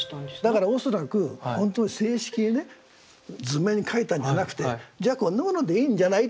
だから恐らくほんとに正式にね図面描いたんじゃなくて「じゃあこんなものでいいんじゃない」